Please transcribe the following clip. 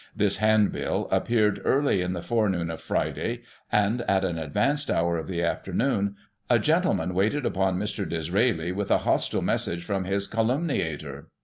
This handbill appeared early in the fore noon of Friday, and, at an advanced hour of the afternoon, a gentleman waited upon Mr. Disraeli with a hostile message from his calumniator.